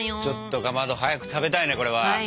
ちょっとかまど早く食べたいねこれは。